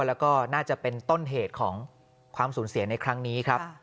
แล้วก็น่าจะเป็นต้นเหตุของความสูญเสียในครั้งนี้ครับ